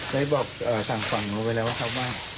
ได้บอกทางฝั่งนู้นไปแล้วครับว่า